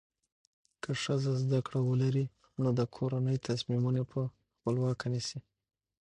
که ښځه زده کړه ولري، نو د کورنۍ تصمیمونه په خپلواکه نیسي.